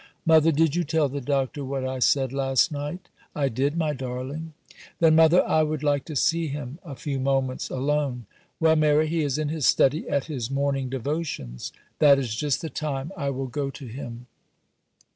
'Mother, did you tell the Doctor what I said last night?' 'I did, my darling.' 'Then, mother, I would like to see him a few moments alone.' 'Well, Mary, he is in his study at his morning devotions.' 'That is just the time. I will go to him.